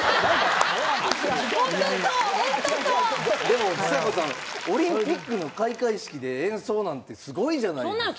でもちさ子さんオリンピックの開会式で演奏なんてすごいじゃないですか。